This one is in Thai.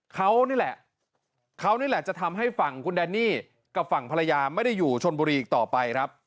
เขานี่แหละเขานี่แหละจะทำให้ฝั่งคุณแดนนี่กับฝั่งภรรยาไม่ได้อยู่ชนบุรีอีกต่อไปครับ